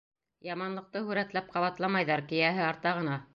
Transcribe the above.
Яманлыҡты һүрәтләп ҡабатламайҙар — кейәһе арта ғына...